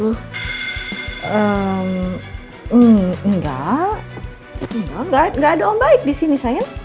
em enggak enggak ada om baik disini sayang